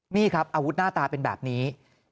นี่ครับอาวุธหน้าตาเป็นแบบนี้